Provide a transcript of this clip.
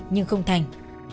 nhưng không thành